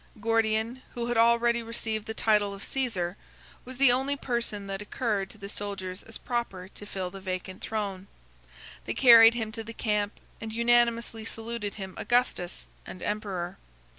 Gordian, who had already received the title of Cæsar, was the only person that occurred to the soldiers as proper to fill the vacant throne. 45 They carried him to the camp, and unanimously saluted him Augustus and Emperor.